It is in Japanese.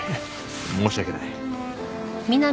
申し訳ない。